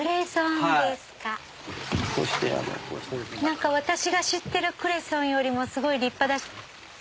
何か私が知ってるクレソンよりもすごい立派だし。